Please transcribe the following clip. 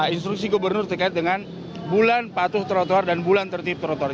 instruksi gubernur terkait dengan bulan patuh trotoar dan bulan tertib trotoar